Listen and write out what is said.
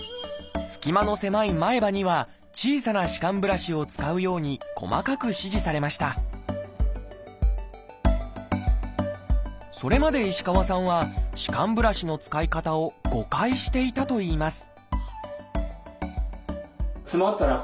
すき間の狭い前歯には小さな歯間ブラシを使うように細かく指示されましたそれまで石川さんは歯間ブラシの使い方を誤解していたといいます